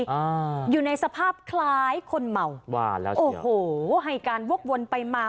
อ่าอยู่ในสภาพคล้ายคนเมาว่าแล้วโอ้โหให้การวกวนไปมา